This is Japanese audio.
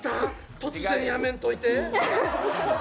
突然やめんといて。